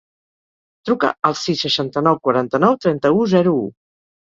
Truca al sis, seixanta-nou, quaranta-nou, trenta-u, zero, u.